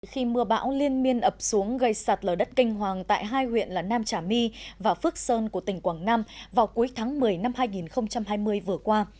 khi mưa bão liên miên ập xuống gây sạt lở đất kinh hoàng tại hai huyện là nam trà my và phước sơn của tỉnh quảng nam vào cuối tháng một mươi năm hai nghìn hai mươi vừa qua